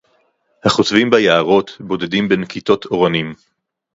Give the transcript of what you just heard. הַחוֹטְבִים בִּיעָרוֹת, בּוֹדְדִים בֵּין כִּיתּוֹת אֳורָנִים